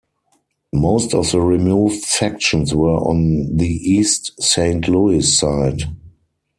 Most of the removed sections were on the East Saint Louis side.